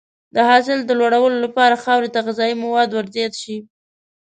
د حاصل د لوړوالي لپاره خاورې ته غذایي مواد ورزیات شي.